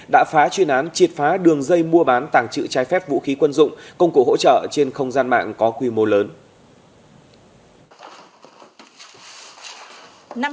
đã phá chuyên án triệt phá đường dây mua bán tàng trự trái phép vũ khí quân dụng công cụ hỗ trợ trên không gian mạng có quy mô lớn